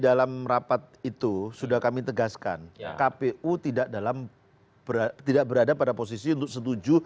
dalam rapat itu sudah kami tegaskan kpu tidak dalam tidak berada pada posisi untuk setuju